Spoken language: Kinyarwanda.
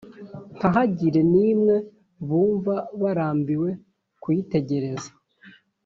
nthagire n’imwe bumva barambiwe kuyitegereza.